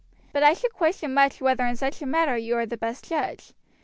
But I should question much whether in such a matter you are the best judge.